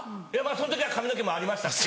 その時は髪の毛もありましたし。